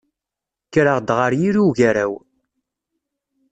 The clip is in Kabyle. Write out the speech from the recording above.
Kkreɣ-d ɣer yiri ugaraw.